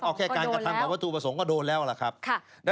เอ้าแค่การกระทำกับวัตถุประสงค์ก็โดนแล้วเหรอครับค่ะก็โดนแล้ว